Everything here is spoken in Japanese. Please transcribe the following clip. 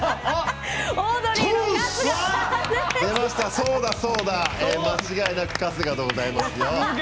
そうだ、そうだ間違いなく、春日でございますよ。